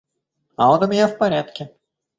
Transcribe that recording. А он у меня в порядке.